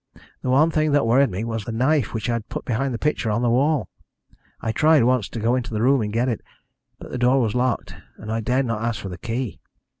The one thing that worried me was the knife which I had put behind the picture on the wall. I tried once to go into the room and get it, but the door was locked, and I dared not ask for the key.